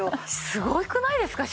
すごくないですか？